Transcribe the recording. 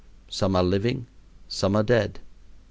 Some are living, some are dead.